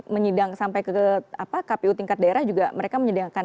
menyidang sampai ke kpu tingkat daerah juga mereka menyidangkan